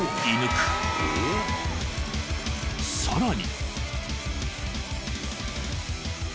［さらに］